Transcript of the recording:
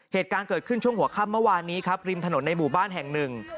เหตุการณ์เกิดขึ้นช่วงหัวค่ำเมื่อวานนี้ครับริมถนนในหมู่บ้านแห่งหนึ่ง